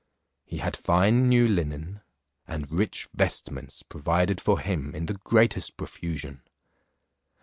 He had fine new linen, and rich vestments provided for him in the greatest profusion.